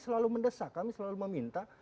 selalu mendesak kami selalu meminta